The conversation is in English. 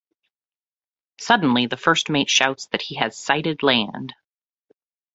Suddenly the First Mate shouts that he has sighted land.